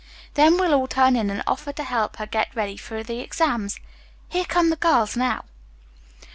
Then we'll all turn in and offer to help her get ready for the exams. Here come the girls now."